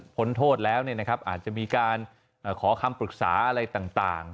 พ้นโทษแล้วอาจจะมีการขอคำปรึกษาอะไรต่าง